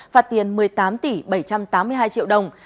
phạt tiền một mươi tám tỷ bảy trăm tám mươi hai triệu đồng